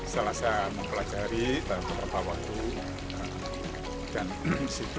setelah saya mempelajari dan memperbawahi